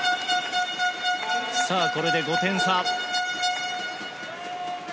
これで５点差。